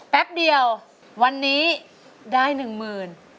แป๊บเดียววันนี้ได้หนึ่งหมื่น